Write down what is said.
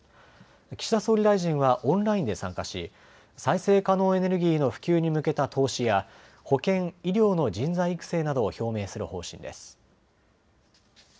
岸田総理大臣はオンラインで参加し再生可能エネルギーの普及に向けた投資や保健・医療の人材育成などを表明する方針です。